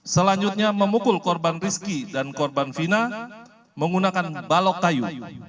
selanjutnya memukul korban rizki dan korban fina menggunakan balok kayu